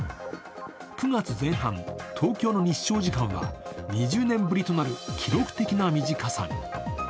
９月前半、東京の日照時間は２０年ぶりとなる記録的な短さに。